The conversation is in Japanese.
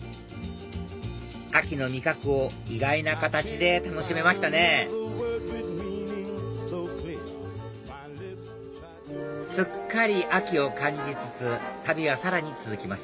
秋の味覚を意外な形で楽しめましたねすっかり秋を感じつつ旅はさらに続きます